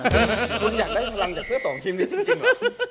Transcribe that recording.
คุณอยากได้พลังจากเสื้อสองทีมดีจริงเหรอ